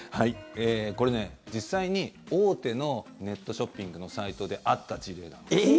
これ、実際に大手のネットショッピングのサイトであった事例なんです。